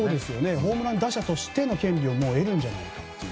ホームラン打者としての権利をもう得るんじゃないかという。